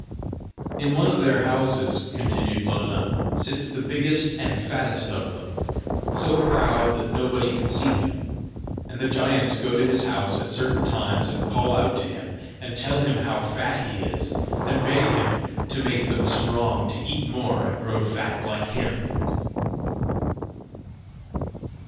"In one of their houses," continued Lona, "sits the biggest and fattest of them so proud that nobody can see him; and the giants go to his house at certain times, and call out to him, and tell him how fat he is, and beg him to make them strong to eat more and grow fat like him."